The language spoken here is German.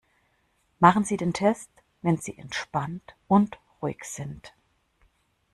Machen Sie den Test, wenn sie entspannt und ruhig sind.